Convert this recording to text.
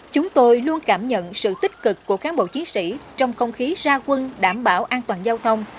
chúng tôi luôn cảm nhận sự tích cực của cán bộ chiến sĩ trong không khí ra quân đảm bảo an toàn giao thông